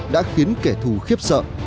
đã khiến kẻ thù khiếp sợ